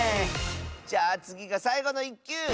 じゃあつぎがさいごの１きゅう！